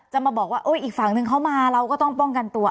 มาบอกว่าอีกฝั่งนึงเขามาเราก็ต้องป้องกันตัว